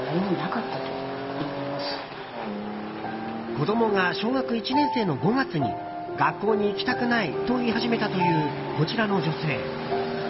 子供が小学１年生の５月に学校に行きたくないと言い始めたというこちらの女性。